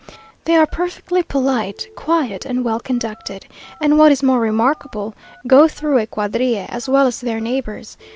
They are perfectly polite, quiet, and well conducted; and what is more remarkable, go through a quadrille as well as their neighbours.